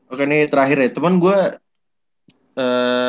oke ini terakhir ya teman gue